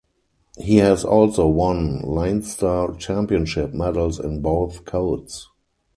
He has also won Leinster Championship medals in both codes.